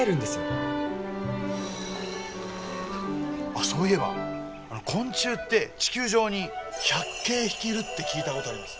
あそういえば昆虫って地球上に１００京匹いるって聞いたことあります。